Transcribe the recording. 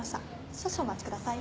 少々お待ちください。